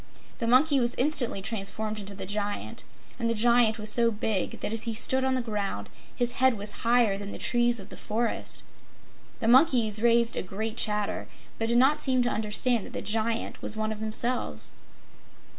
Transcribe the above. The monkey was instantly transformed into the Giant, and the Giant was so big that as he stood on the ground his head was higher than the trees of the forest. The monkeys raised a great chatter but did not seem to understand that the Giant was one of themselves.